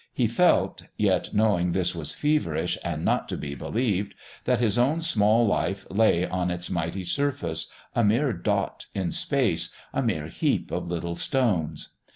He felt yet knowing this was feverish and not to be believed that his own small life lay on its mighty surface, a mere dot in space, a mere heap of little stones.